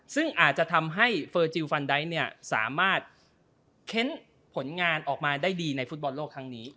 ซึ่งอาจจะทำให้เฟอร์จิลฟันไดท์เนี่ยสามารถเค้นผลงานออกมาได้ดีในฟุตบอลโลกครั้งนี้